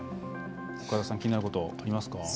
岡田さん気になることありますか？